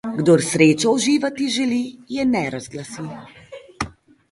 Kdor srečo uživati želi, je ne razglasi.